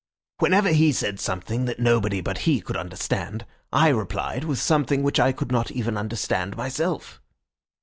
Whenever he said something that nobody but he could understand, I replied with something which I could not even understand myself.